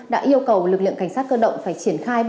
đã yêu cầu lực lượng cảnh sát cơ động phải triển khai